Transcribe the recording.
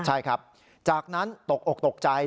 ใช่ครับจากนั้นตกอกตกใจ